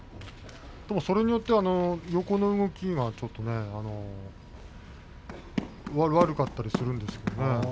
それによって横の動きがちょっと悪かったりするんですよね。